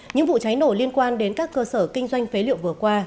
những vụ cháy nổ liên quan đến các cơ sở kinh doanh phế liệu vừa qua